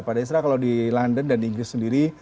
pak desra kalau di london dan inggris sendiri